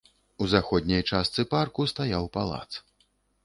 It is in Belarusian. У заходняй частцы парку стаяў палац.